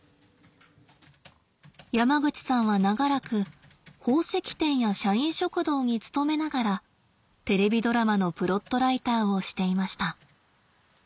山口さんは長らく宝石店や社員食堂に勤めながらテレビドラマのプロットライターをしていました。